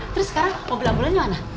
terus sekarang mobil ambulan dimana